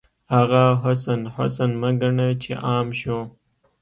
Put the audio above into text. هغه حسن، حسن مه ګڼه چې عام شو